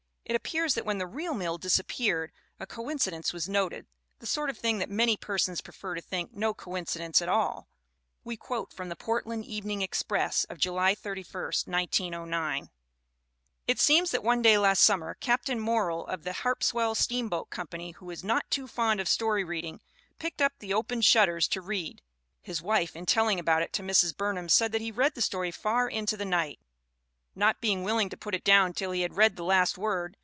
It appears that when the real mill disappeared a coincidence was noted, the sort of thing that many persons prefer to think no coincidence at all. We quote from the Portland Evening Express of July 31, 1909: "It seems that one day last summer Captain Morrill of the Harpswell Steamboat Company, who is not too fond of story reading, picked up The Opened Shutters to read. His wife in telling about it to Mrs. Burnham said that he read the story far into the night, not being willing to put it down till he had read the last word.